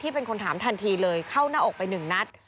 เป็นคนถามทันทีเลยเข้าหน้าอกไปหนึ่งนัด